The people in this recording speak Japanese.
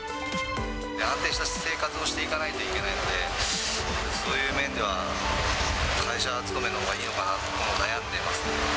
安定した生活をしていかないといけないので、そういう面では、会社勤めのほうがいいのかなと悩んでますね。